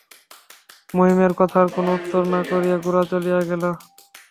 মহিমের কথার কোনো উত্তর না করিয়া গোরা চলিয়া গেল।